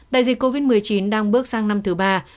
đại dịch covid một mươi chín đang bước sang năm thứ ba